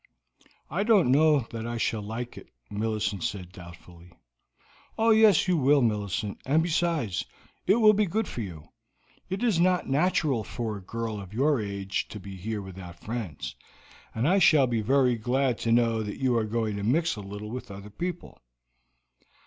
"I don't know that I shall like it," Millicent said doubtfully. "Oh, yes, you will, Millicent; and besides, it will be good for you. It is not natural for a girl of your age to be here without friends, and I shall be very glad to know that you are going to mix a little with other people."